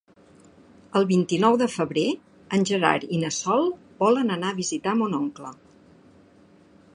El vint-i-nou de febrer en Gerard i na Sol volen anar a visitar mon oncle.